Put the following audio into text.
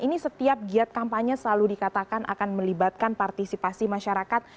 ini setiap giat kampanye selalu dikatakan akan melibatkan partisipasi masyarakat